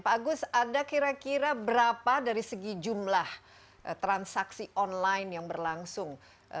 pak agus ada kira kira berapa dari segi jumlah transaksi online yang berlangsung